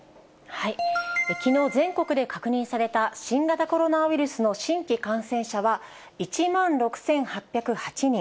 きのう、全国で確認された、新型コロナウイルスの新規感染者は、１万６８０８人。